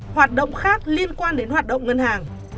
hoạt động khác liên quan đến hoạt động ngân hàng